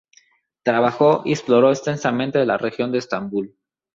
Trabajó y exploró extensamente la región de Estambul.